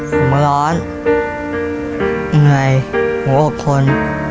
หัวร้อนเหนื่อยหัวอกคน